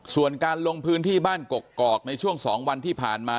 ส่วนการลงพื้นที่บ้านกกอกในช่วง๒วันที่ผ่านมา